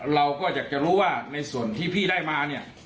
เราก็อยากจะรู้ว่าในส่วนที่พี่ได้มาเนี่ย